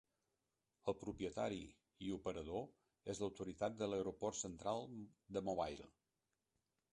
El propietari i operador és l'autoritat de l'aeroport central de Mobile.